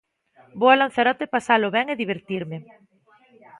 Vou a Lanzarote pasalo ben e divertirme.